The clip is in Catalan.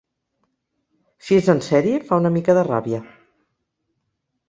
Si és en sèrie fa una mica de ràbia.